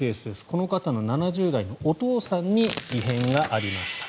この方の７０代のお父さんに異変がありました。